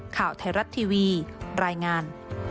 ข่าวไทยรัฐทีวีรายงาน